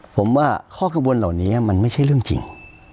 ผมว่าข้อกระบวนเหล่านี้มันไม่ใช่เรื่องจริง